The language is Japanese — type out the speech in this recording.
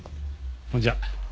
ほんじゃ。